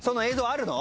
あるの？